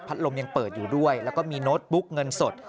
ลมยังเปิดอยู่ด้วยแล้วก็มีโน้ตบุ๊กเงินสด